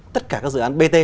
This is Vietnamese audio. tất cả các dự án bt